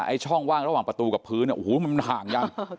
ช่องว่างระหว่างประตูกับพื้นโอ้โหมันห่างยัง